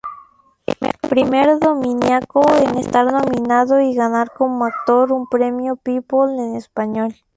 Primer dominicano en estar nominado y ganar como actor un Premio People en Español.